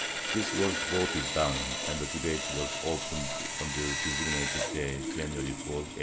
^ This was voted down and the debate was opened on the designated day, January 4, 1813.